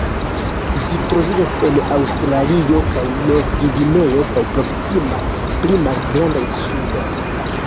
Ĝi troviĝas en Aŭstralio kaj Novgvineo kaj proksimaj pli malgrandaj insuloj.